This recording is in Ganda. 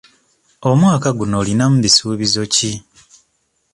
Omwaka guno olinamu bisuubizo ki?